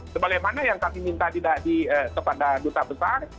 sebalik mana yang kami minta kepada duta besar